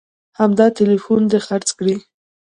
همدا ټلیفون دې خرڅ کړي